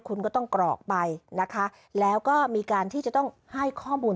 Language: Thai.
คุณก็ต้องกรอกไปนะคะแล้วก็มีการที่จะต้องให้ข้อมูล